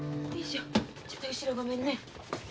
ちょっと後ろごめんね。